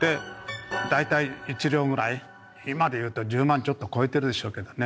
今で言うと１０万ちょっと超えてるでしょうけどね。